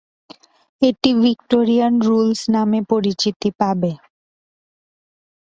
এটি Victorian rules নামে পরিচিতি পাবে।